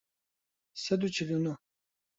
سەد و چل و نۆ